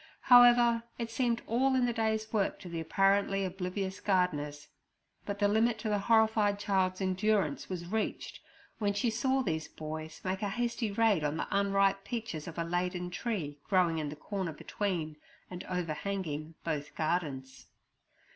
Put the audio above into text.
However, it seemed all in the day's work to the apparently oblivious gardeners. But the limit to the horrified child's endurance was reached, when she saw these boys make a hasty raid on the unripe peaches of a laden tree growing in the corner between, and overhanging, both gardens.